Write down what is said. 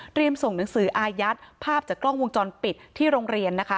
ส่งหนังสืออายัดภาพจากกล้องวงจรปิดที่โรงเรียนนะคะ